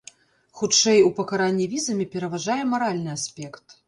Хутчэй, у пакаранні візамі пераважае маральны аспект.